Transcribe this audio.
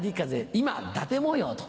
今伊達模様」と。